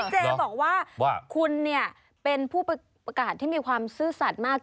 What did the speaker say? เจบอกว่าคุณเนี่ยเป็นผู้ประกาศที่มีความซื่อสัตว์มาก